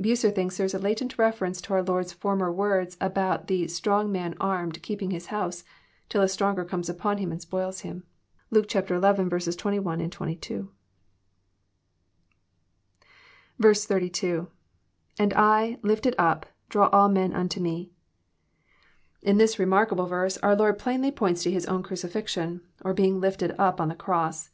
Bucer thinks there is a latent reference to our Lord's former words about the *' strong man armed keeping his house," till a stronger comes upon him and spoils him. (Luke xi. 21, 22.) 82. — lAnd L.Mfted up.. .draw all men unto me.'] In this remark able verse our Lord plainly points to His own crucifixion, or being lifted up on the cross.